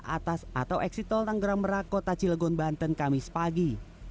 atas atau eksitol tanggerang merak kota cilegon banten kamis pagi